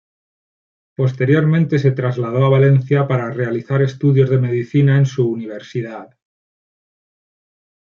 Posteriormente se trasladó a Valencia para realizar estudios de medicina en su Universidad.